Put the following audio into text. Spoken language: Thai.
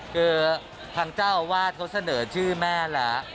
คือทางเจ้าอาวาสเขาเสนอชื่อแม่แล้ว